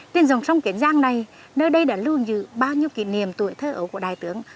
trên dòng sông kiến giang này nơi đây đã luôn dự bao nhiêu kỷ niệm tuổi thơ ấu của đại tướng